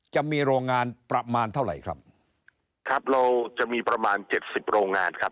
จะมีโรงงานประมาณเท่าไหร่ครับครับเราจะมีประมาณเจ็ดสิบโรงงานครับ